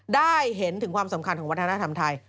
ได้เห็นถึงความสำคัญของวัฒนธรรมไทย